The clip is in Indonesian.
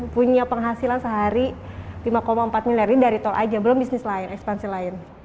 punya penghasilan sehari lima empat miliar ini dari tol aja belum bisnis lain ekspansi lain